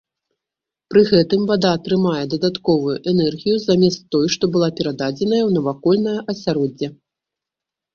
Пры гэтым вада атрымае дадатковую энергію замест той, што была перададзеная ў навакольнае асяроддзе.